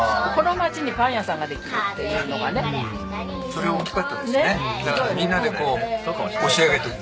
それ大きかったですね。